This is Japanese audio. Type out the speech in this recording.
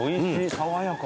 爽やか。